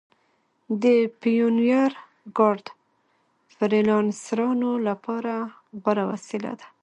د پیونیر کارډ د فریلانسرانو لپاره غوره وسیله ده.